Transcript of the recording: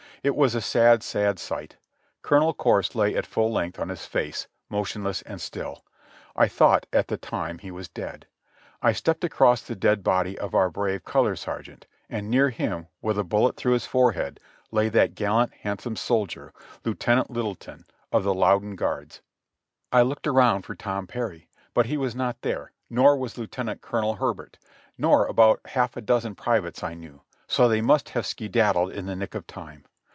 It was a sad, sad sight; Colonel Corse lay at full length on his face, mo tionless and still ; I thought at the time he was dead ; I stepped across the dead body of our brave color sergeant, and near him, with a bullet through his forehead, lay that gallant, handsome soldier, Lieut. Littleton, of the Loudoun Guards. I looked around for Tom Perry, but he was not there, nor was Lieut. Col. Herbert, nor about half a dozen privates I knew, so they must have ske daddled in the nick of time.